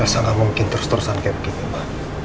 elsa gak mungkin terus terusan kayak begini ma